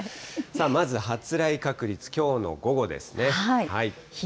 まず発雷確率、きょうの午後ですね。